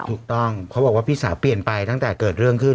ถูกต้องเขาบอกว่าพี่สาวเปลี่ยนไปตั้งแต่เกิดเรื่องขึ้น